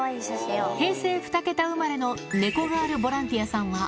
平成２桁生まれの猫ガールボランティアさんは。